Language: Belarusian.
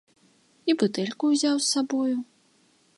І бутэльку ўзяў з сабою.